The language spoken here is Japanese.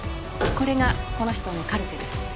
これがこの人のカルテです。